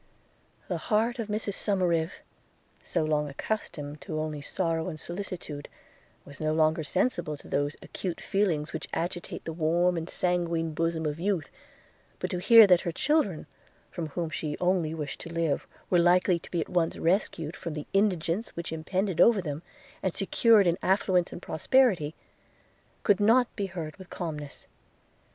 The heart of Mrs Somerive, so long accustomed only to sorrow and solicitude, was no longer sensible to those acute feelings which agitate the warm and sanguine bosom of youth; but to hear that her children, for whom only she wished to live, were likely to be at once rescued from the indigence which impended over them, and secured in affluence and prosperity, could not be heard with calmness.